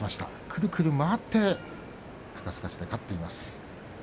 くるくる回って肩すかしで勝っています。